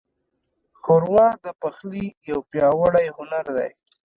ښوروا د پخلي یو پیاوړی هنر دی.